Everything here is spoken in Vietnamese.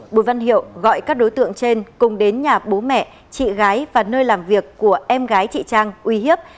bùi văn hiệu gọi các đối tượng trên cùng đến nhà bố mẹ chị gái và nơi làm việc của em gái chị trang uy hiếp